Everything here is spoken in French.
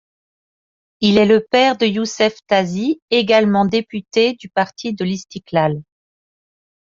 Il est le père de Youssef Tazi également député du Parti de l'Istiqlal.